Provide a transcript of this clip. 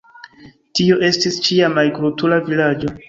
Tio estis ĉiam agrikultura vilaĝo.